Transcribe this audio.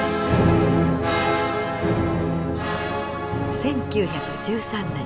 １９１３年。